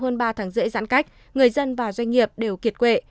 trong ba tháng rễ giãn cách người dân và doanh nghiệp đều kiệt quệ